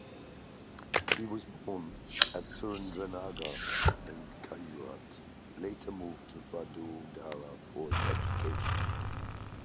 He was born at Surendranagar in Gujarat, later moved to Vadodara for his education.